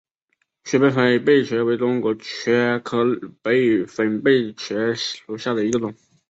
雪白粉背蕨为中国蕨科粉背蕨属下的一个种。